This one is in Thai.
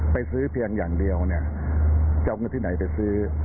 ไปซื้อเพียงอย่างเดียวเนี่ยจะเอาเงินที่ไหนไปซื้อ